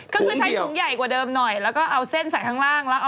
ก็คือใช้ถุงใหญ่กว่าเดิมหน่อยแล้วก็เอาเส้นใส่ข้างล่างแล้ว